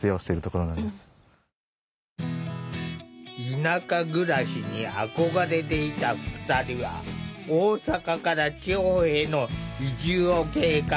田舎暮らしに憧れていた２人は大阪から地方への移住を計画。